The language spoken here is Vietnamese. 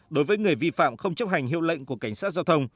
đối với người vi phạm không chấp hành hiệu lệnh của cảnh sát giao thông